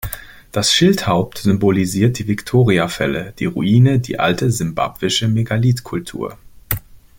Das Schildhaupt symbolisiert die Victoriafälle, die Ruine die alte simbabwische Megalithkultur.